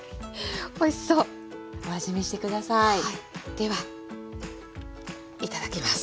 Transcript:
ではいただきます。